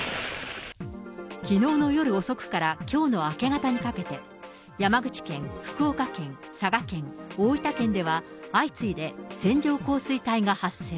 きのうの夜遅くからきょうの明け方にかけて、山口県、福岡県、佐賀県、大分県では相次いで線状降水帯が発生。